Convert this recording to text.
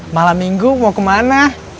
malam minggu mau kemana